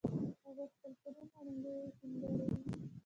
هغوی خپل کورونه رنګوي او سینګاروي